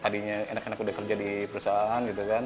tadinya enak enak udah kerja di perusahaan gitu kan